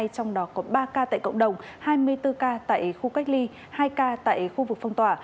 trong đó có ba ca tại cộng đồng hai mươi bốn ca tại khu cách ly hai ca tại khu vực phong tỏa